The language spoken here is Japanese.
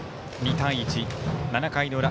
２対１、７回の裏